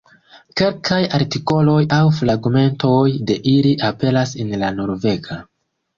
Kelkaj artikoloj aŭ fragmentoj de ili aperas en la Norvega.